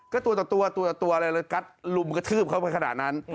ก็ตัวอะไรเลยกัสลุมกระทืบเขาไปขนาดนั้น